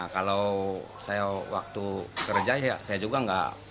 kalau saya waktu kerja ya saya juga nggak